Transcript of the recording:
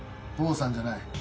父さんじゃない。